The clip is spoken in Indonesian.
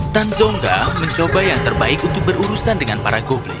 tan zongga mencoba yang terbaik untuk berurusan dengan para goblic